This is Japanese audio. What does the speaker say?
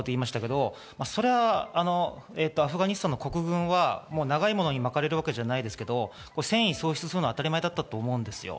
アフガニスタンの国軍は長いものに巻かれるわけじゃないですけど、戦意喪失するのは当たり前だったと思います。